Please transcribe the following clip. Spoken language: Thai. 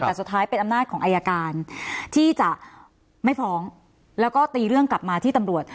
แต่สุดท้ายเป็นอำนาจของอายการที่จะไม่ฟ้องแล้วก็ตีเรื่องกลับมาที่ตำรวจ